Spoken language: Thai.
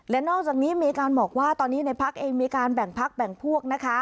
และนอกจากนี้มีการบอกว่าตอนนี้ในพักเองมีการแบ่งพักแบ่งพวกนะคะ